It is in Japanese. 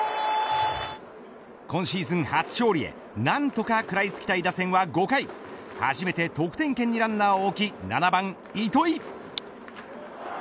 今シーズン初勝利へ何とか食らいつきたい打線は５回初めて得点圏にランナーを置き７番、糸井。